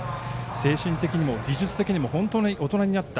精神的にも技術的にも本当に大人になった。